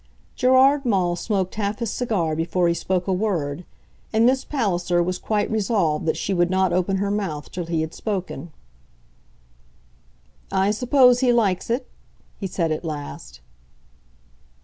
Gerard Maule smoked half his cigar before he spoke a word, and Miss Palliser was quite resolved that she would not open her mouth till he had spoken. "I suppose he likes it?" he said at last.